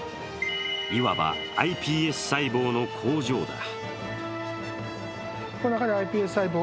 いわば、ｉＰＳ細胞の工場だ。